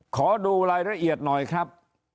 ขอดูรายละเอียดหน่อยครับ